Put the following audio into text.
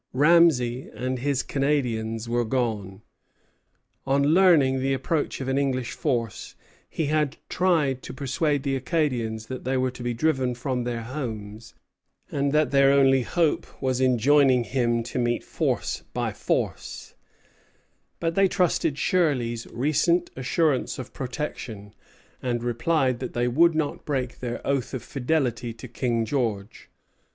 Ramesay and his Canadians were gone. On learning the approach of an English force, he had tried to persuade the Acadians that they were to be driven from their homes, and that their only hope was in joining with him to meet force by force; but they trusted Shirley's recent assurance of protection, and replied that they would not break their oath of fidelity to King George.